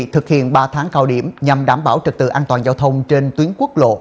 thực hiện ba tháng cao điểm nhằm đảm bảo trật tự an toàn giao thông trên tuyến quốc lộ